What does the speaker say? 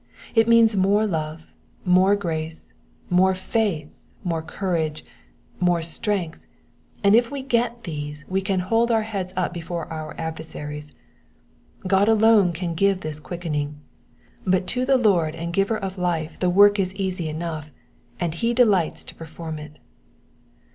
It means more love, more grace, more faith, more courage, more strength, and if we get these we can hold up our heads before our adversaries. God alone can give this quickening ; but to the Lord and giver of life the work is easy enough, and be delights to perform it.